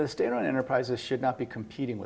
pemerintah di negara tidak harus berkompetisi